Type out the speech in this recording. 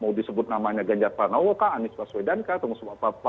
mau disebut namanya ganja pranowo anies baswedan atau apa